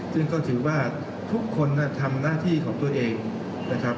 ซึ่งก็ถือว่าทุกคนทำหน้าที่ของตัวเองนะครับ